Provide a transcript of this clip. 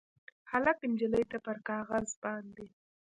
هلک نجلۍ ته پر کاغذ باندې